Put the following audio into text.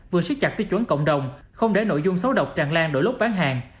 vừa siết chặt tiết chuẩn cộng đồng không để nội dung xấu độc tràn lan đổi lốt bán hàng